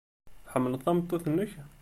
Tḥemmleḍ tameṭṭut-nnek?